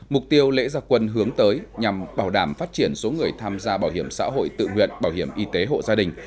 mục tiêu lễ gia quân hướng tới nhằm bảo đảm phát triển số người tham gia bảo hiểm xã hội tự nguyện bảo hiểm y tế hộ gia đình